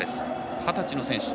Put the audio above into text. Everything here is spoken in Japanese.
二十歳の選手。